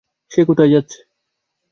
সে কোথায় যাচ্ছে?